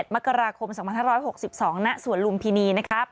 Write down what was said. มกราคมสองพันห้าร้อยหกสิบสองณสวนลุมพินีนะครับ